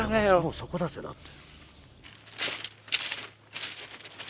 そこだぜだって。